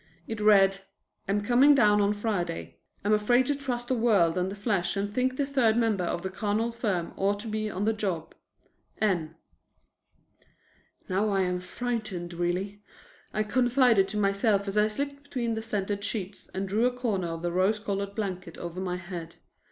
It read: "Am coming down on Friday. Am afraid to trust the world and the flesh and think the third member of the carnal firm ought to be on the job. N." "Now I am frightened really," I confided to myself as I slipped between the scented sheets and drew a corner of the rose colored blanket over my head.